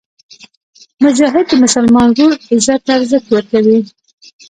مجاهد د مسلمان ورور عزت ته ارزښت ورکوي.